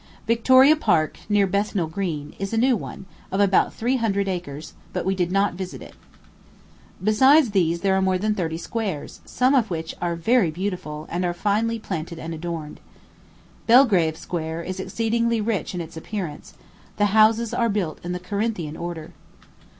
Victoria Park, near Bethnal Green, is a new one, of about three hundred acres; but we did not visit it. Besides these, there are more than thirty squares, some of which are very beautiful, and are finely planted and adorned. Belgrave Square is exceedingly rich in its appearance; the houses are built in the Corinthian order.